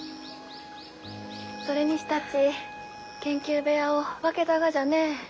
それにしたち研究部屋を分けたがじゃね。